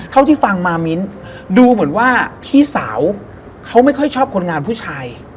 เท่าที่ฟังมามิ้นดูเหมือนว่าพี่สาวเขาไม่ค่อยชอบคนงานผู้ชาย